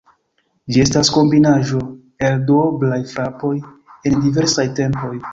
Ĝi estas kombinaĵo el duoblaj frapoj en diversaj tempoj.